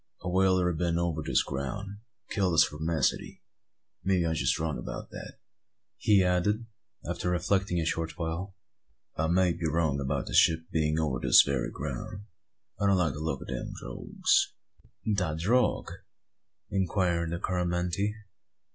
A whaler 'a been over this ground, and killed the spermacety. Maybe I'm wrong about that," he added, after reflecting a short while. "I may be wrong about the ship being over this very ground. I don't like the look o' them drogues." "De drogue?" inquired the Coromantee.